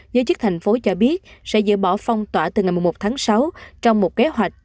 giới chức thành phố cho biết sẽ dỡ bỏ phong tỏa từ ngày một mươi một tháng sáu trong một kế hoạch